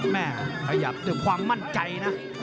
แม่ขยับความมั่นใจนะ